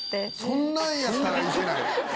そんなんやったら行けない。